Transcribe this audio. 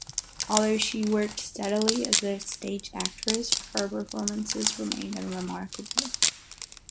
Although she worked steadily as a stage actress, her performances remained unremarkable.